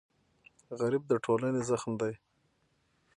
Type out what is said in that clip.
غریب د ټولنې زخم دی